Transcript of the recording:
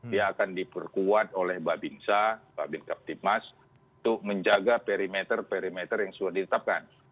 dia akan diperkuat oleh babinsa babin captivmas untuk menjaga parameter parameter yang sudah diletakkan